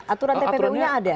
aturan tpuu nya ada